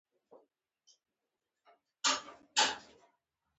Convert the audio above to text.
هره موضوع بېل عنوان لري.